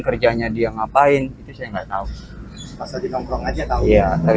kerjanya dia ngapain itu saya nggak tahu